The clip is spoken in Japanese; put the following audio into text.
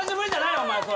お前それ。